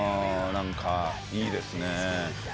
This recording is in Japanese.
いいですね。